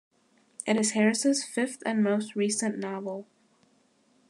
It is Harris' fifth and most recent novel.